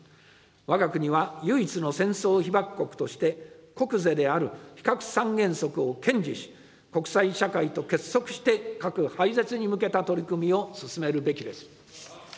わが国は唯一の戦争被爆国として、国是である非核三原則を堅持し、国際社会と結束して核廃絶に向けた取り組みを進めるべきです。